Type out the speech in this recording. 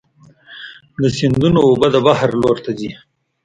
د سیندونو اوبه د بحر لور ته ځي.